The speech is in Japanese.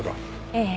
ええ。